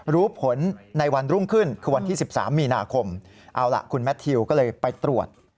รู้ผลในวันรุ่งขึ้นคือวันที่๑๓มีนาคมเอาล่ะคุณแมททิวก็เลยไปตรวจ